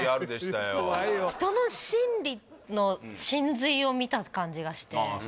人の心理の神髄を見た感じがしてああ